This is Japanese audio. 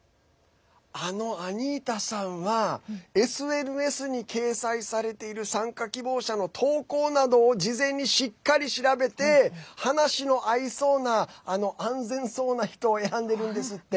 アニータさんはＳＮＳに掲載されている参加希望者の投稿などを事前にしっかり調べて話の合いそうな安全そうな人を選んでいるんですって。